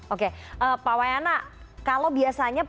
oke pak wayana